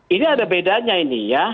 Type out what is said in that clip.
ini ada bedanya ini ya